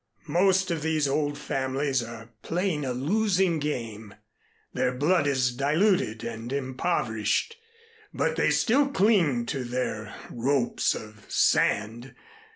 Most of these old families are playing a losing game, their blood is diluted and impoverished, but they still cling to their ropes of sand.